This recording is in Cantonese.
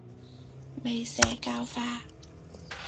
未社教化